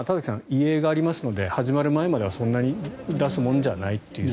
遺影がありますので始まる前にそんなに出すもんじゃないという。